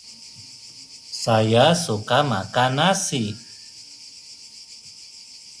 All Opposition counterparts are members of the Parliament of New South Wales.